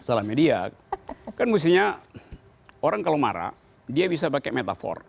salah media kan mestinya orang kalau marah dia bisa pakai metafor